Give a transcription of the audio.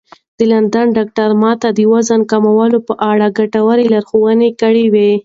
د لندن ډاکتر ما ته د وزن کمولو په اړه ګټورې لارښوونې کړې وې.